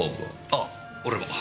あっ俺も。